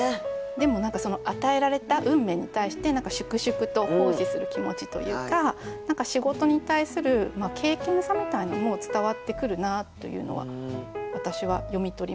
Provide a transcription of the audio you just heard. でも何かその与えられた運命に対して粛々と奉仕する気持ちというか仕事に対する敬けんさみたいのも伝わってくるなというのは私は読み取りました。